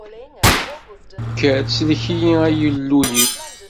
Kker, sellek-iyi, ay Illu-iw!